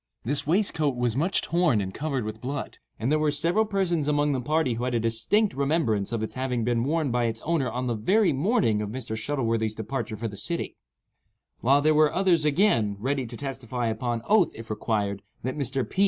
This waistcoat was much torn and stained with blood, and there were several persons among the party who had a distinct remembrance of its having been worn by its owner on the very morning of Mr. Shuttleworthy's departure for the city; while there were others, again, ready to testify upon oath, if required, that Mr. P.